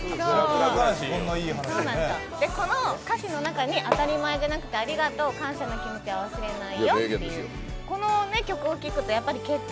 この歌詞の中に当たり前じゃなくてありがとう感謝の気持ちを忘れないよっていう、この曲を聴くと結婚